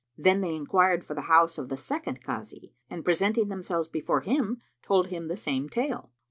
Then they enquired for the house of the second Kazi and presenting themselves before him, told him the same tale.